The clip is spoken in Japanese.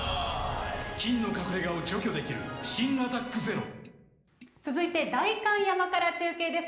菌の隠れ家を除去できる新「アタックＺＥＲＯ」続いて代官山から中継です。